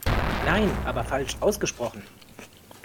Nein, aber falsch ausgesprochen.